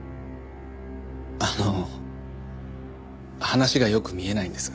あの話がよく見えないんですが。